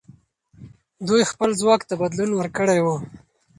دوی خپل ځواک ته بدلون ورکړی وو.